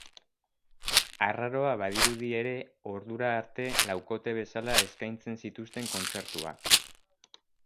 Arraroa badirudi ere, ordura arte laukote bezala eskaintzen zituzten kontzertuak.